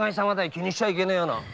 気にしちゃいけねえ。